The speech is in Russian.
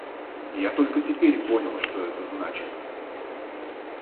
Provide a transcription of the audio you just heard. Я только теперь понял, что это значит.